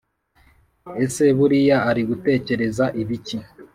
ese buriya ari gutekereza ibiki